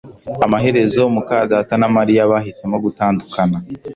Amaherezo muka data na Mariya bahisemo gutandukana